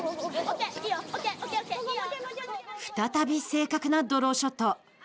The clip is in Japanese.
再び正確なドローショット。